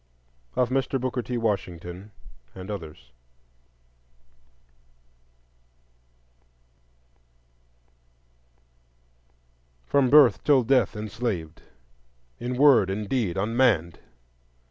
Of Mr. Booker T. Washington and Others From birth till death enslaved; in word, in deed, unmanned!